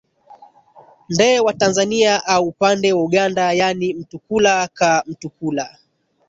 nde wa tanzania au upande wa uganda yaani mtukula ka mtukula